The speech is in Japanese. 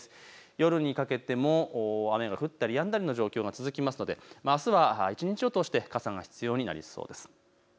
夜にかけても雨が降ったりやんだりの状況が続きますのであすは一日を通して傘が必要になりそうです。